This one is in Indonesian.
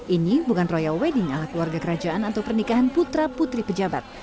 ini bukan royal wedding ala keluarga kerajaan atau pernikahan putra putri pejabat